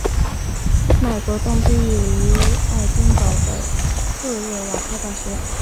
麦国栋毕业于爱丁堡的赫瑞瓦特大学。